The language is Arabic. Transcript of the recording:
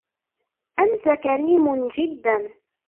أنت كريمٌ جداً.